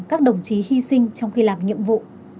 các đồng chí hy sinh trong khi làm nhiệm vụ